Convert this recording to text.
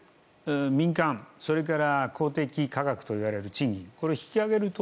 民間、それから公的といわれる賃金。